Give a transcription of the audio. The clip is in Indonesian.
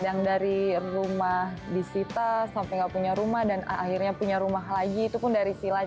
yang dari rumah disita sampai nggak punya rumah dan akhirnya punya rumah lagi itu pun dari silat